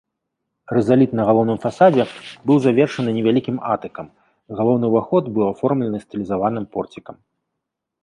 Рызаліт на галоўным фасадзе быў завершаны невялікім атыкам, галоўны ўваход быў аформлены стылізаваным порцікам.